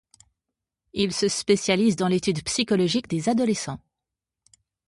Il se spécialise dans l'étude psychologique des adolescents.